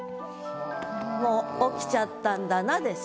「もう起きちゃったんだな」です。